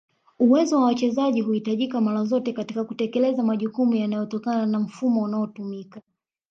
Uwezo wa wachezaji huhitajika mara zote katika kutekeleza majukumu yanayotokana na mfumo unaotumika